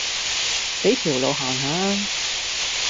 俾條路行下吖